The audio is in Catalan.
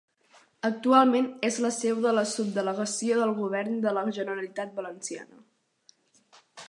Actualment és la seu de la Subdelegació del Govern de la Generalitat Valenciana.